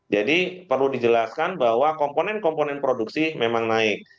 jadi perlu dijelaskan bahwa komponen komponen produksi memang naik